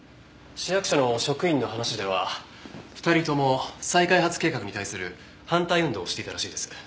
市役所の職員の話では２人とも再開発計画に対する反対運動をしていたらしいです。